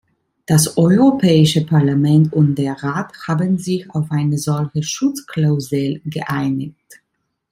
Das Europäische Parlament und der Rat haben sich auf eine solche Schutzklausel geeinigt.